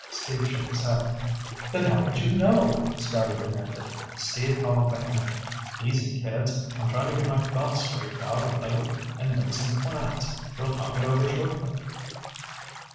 Steve shook his head. "Then how did you know?" Scotty demanded. Steve held up a hand. "Easy, kids. I'm trying to get my thoughts straightened out a little and make some plans. We'll talk it over shortly."